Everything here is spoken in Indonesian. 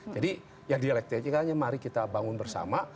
jadi ya dialektikanya mari kita bangun bersama